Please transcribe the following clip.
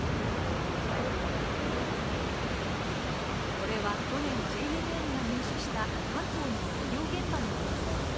これは去年ＪＮＮが入手した関東の作業現場の映像。